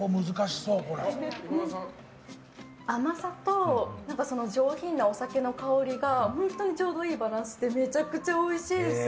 甘さと上品なお酒の香りが本当にちょうどいいバランスでめちゃくちゃおいしいです。